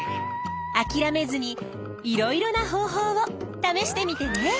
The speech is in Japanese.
あきらめずにいろいろな方法を試してみてね。